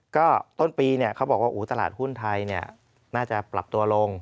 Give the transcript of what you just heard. ก็ต้นปีเขาบอกว่าตลาดหุ้นไทยน่าจะปรับตัวลง